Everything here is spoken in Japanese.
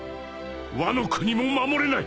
ワノ国も守れない！